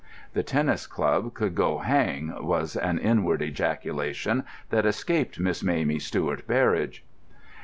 The tennis club could go hang was an inward ejaculation that escaped Miss Mamie Stuart Berridge.